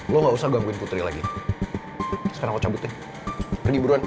lo gak usah gangguin putri lagi sekarang gue cabutin pergi buruan